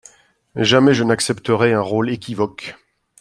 Jamais je n'accepterai un rôle équivoque.